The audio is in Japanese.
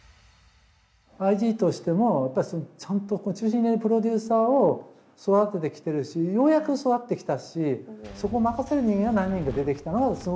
Ｉ．Ｇとしてもやっぱりちゃんと中心になるプロデューサーを育ててきてるしようやく育ってきたしそこを任せる人間が何人か出てきたのがすごく。